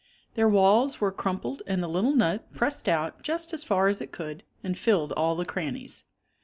Their walls were crumpled and the little nut press ed out just as far as it could and filled all the crannies.